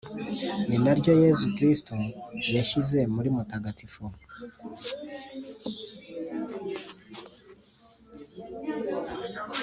ni naryo yezu kristu yashyize muri mutagatifu